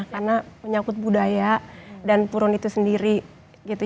karena menyakut budaya dan purun itu sendiri gitu